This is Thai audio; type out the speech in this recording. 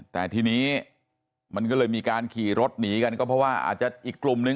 แต่ทีนี้มันก็เลยมีการขี่รถหนีกันก็เพราะว่าอาจจะอีกกลุ่มนึง